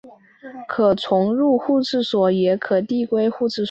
可重入互斥锁也称递归互斥锁。